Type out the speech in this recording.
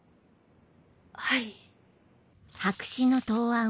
はい。